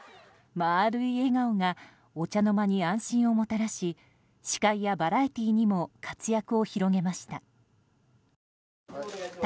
丸い笑顔がお茶の間に安心をもたらし司会やバラエティーにも活躍を広げました。